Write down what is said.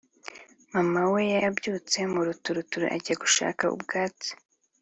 mama we yabyutse mu ruturuturu ajya gushaka ubwatsi.